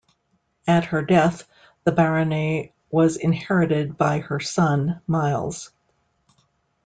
At her death, the Barony was inherited by her son Myles.